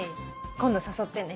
今度誘ってね。